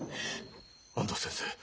安藤先生